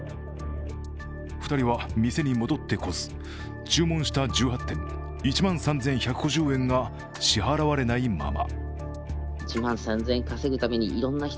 ２人は店に戻ってこず、注文した１８点、１万３１５０円が支払われないまま。